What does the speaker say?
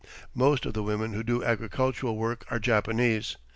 Most of the women who do agricultural work are Japanese.